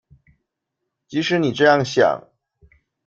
即使你這樣想